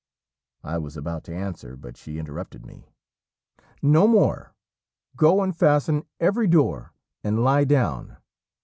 I was about to answer, but she interrupted me 'No more; go and fasten every door and lie down.